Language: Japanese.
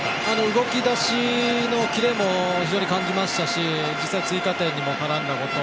動きだしのキレも非常に感じましたし、実際追加点にも絡んだこと。